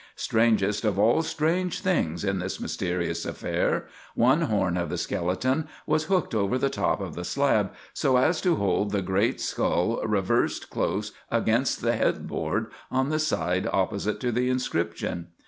Strangest of all strange things in this mysterious affair, one horn of the skeleton was hooked over the top of the slab so as to hold the great skull reversed close against the headboard on the side opposite to the inscription.